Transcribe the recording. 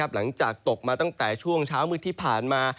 หลังจากตกมาตั้งแต่ช่วงเช้ามืดที่ผ่านมา